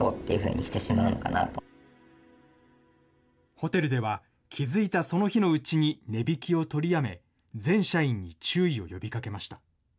ホテルでは、気付いたその日のうちに値引きを取りやめ、全社員に注意を呼びかけました。